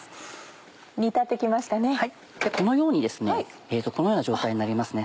このようにこのような状態になりますね。